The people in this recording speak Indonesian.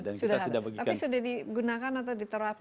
tapi sudah digunakan atau diterapkan